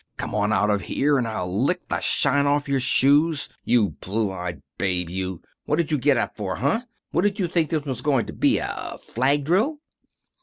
Come on out of here and I'll lick the shine off your shoes, you blue eyed babe, you! What did you get up for, huh? What did you think this was going to be a flag drill?"